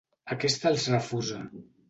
Aquest els refusa.